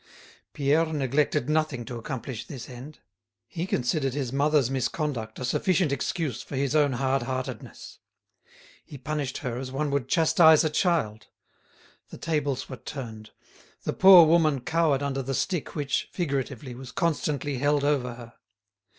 Pierre neglected nothing to accomplish this end. He considered his mother's misconduct a sufficient excuse for his own hard heartedness. He punished her as one would chastise a child. The tables were turned. The poor woman cowered under the stick which, figuratively, was constantly held over her.